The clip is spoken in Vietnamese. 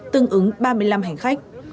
tương ứng ba mươi năm hành khách